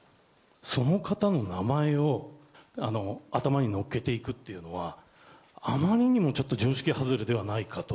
その方の名前を頭にのっけていくっていうのは、あまりにもちょっと常識外れではないかと。